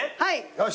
よし。